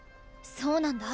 そうなんだ。